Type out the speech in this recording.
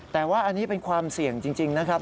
แต่ว่าอันนี้เป็นความเสี่ยงจริงนะครับ